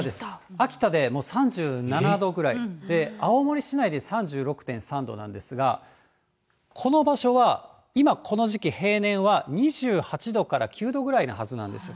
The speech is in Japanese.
秋田でもう３５．７度ぐらい、青森市内で３６．３度なんですが、この場所は今、この時期平年は２８度から９度くらいのはずなんですよ。